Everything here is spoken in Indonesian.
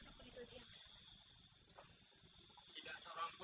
mau jadi kayak gini sih salah buat apa